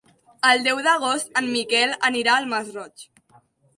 El deu d'agost en Miquel anirà al Masroig.